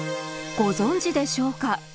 ご存じでしょうか。